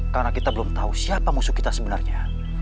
karena kita belum tahu siapa musuh kita sebenarnya